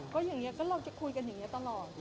ก็อย่างนี้ก็เราจะคุยกันอย่างนี้ตลอด